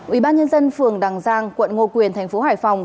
ủy ban nhân dân phường đằng giang quận ngô quyền thành phố hải phòng